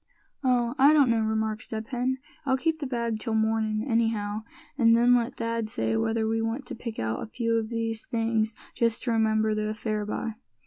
"Oh! I don't know," remarked Step Hen, "I'll keep the bag till mornin' anyhow, an' then let Thad say whether we want to pick out a few of these things, just to remember the affair by."